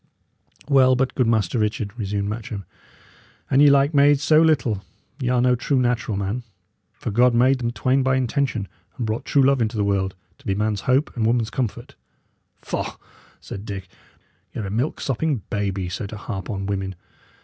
"Well, but, good Master Richard," resumed Matcham, "an ye like maids so little, y' are no true natural man; for God made them twain by intention, and brought true love into the world, to be man's hope and woman's comfort." "Faugh!" said Dick. "Y' are a milk sopping baby, so to harp on women.